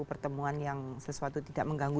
pertemuan yang sesuatu tidak mengganggu